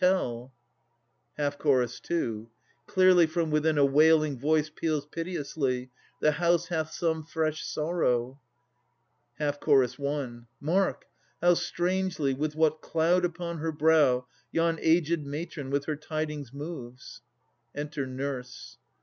Tell! CH. 2. Clearly from within a wailing voice Peals piteously. The house hath some fresh woe. CH. 3. Mark! How strangely, with what cloud upon her brow, Yon aged matron with her tidings moves! Enter Nurse.